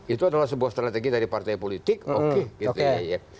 itu adalah sebuah strategi dari partai politik oke gitu ya